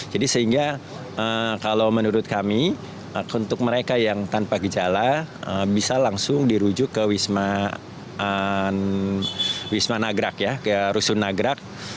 jadi sehingga kalau menurut kami untuk mereka yang tanpa gejala bisa langsung dirujuk ke wisma nagrak ya ke rusun nagrak